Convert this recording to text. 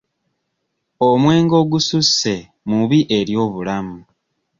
Omwenge ogususse mubi eri obulamu.